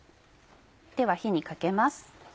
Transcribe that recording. では火にかけます。